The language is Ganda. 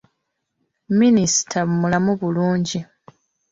Minisita mulamu bulungi.